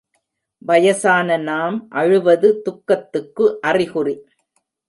வயசான நாம் அழுவது துக்கத்துக்கு அறிகுறி.